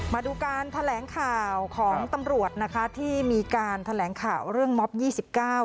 มาดูการแถลงข่าวของตำรวจนะคะที่มีการแถลงข่าวเรื่องม็อบยี่สิบเก้า